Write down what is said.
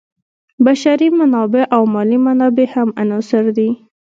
بشري منابع او مالي منابع هم عناصر دي.